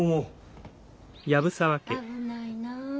危ないなあ。